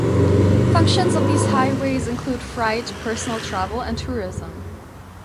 Functions of these highways include freight, personal travel and tourism.